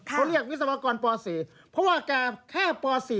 เขาเรียกวิศวกรป๔เพราะว่าแกแค่ป๔